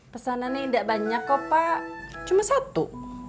pesanannya tidak banyak kok pak cuma satu